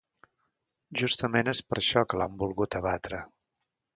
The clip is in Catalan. Justament és per això que l’han volgut abatre.